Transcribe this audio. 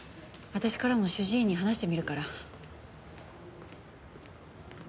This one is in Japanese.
私からも主治医に話してみるから。